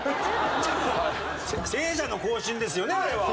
『聖者の行進』ですよねあれは。